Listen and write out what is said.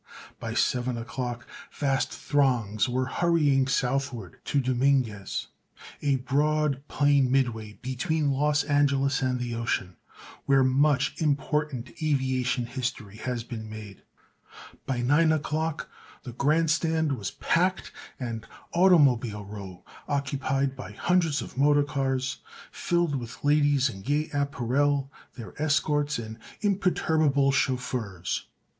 By seven o'clock vast throngs were hurrying southward to Dominguez—a broad plain midway between Los Angeles and the ocean—where much important aviation history has been made. By nine o'clock the grand stand was packed and "automobile row" occupied by hundreds of motor cars, filled with ladies in gay apparel, their escorts and imperturbable chauffeurs.